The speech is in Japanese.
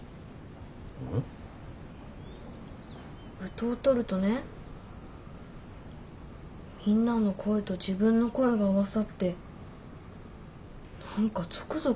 歌うとるとねみんなの声と自分の声が合わさってなんかゾクゾクするんよ。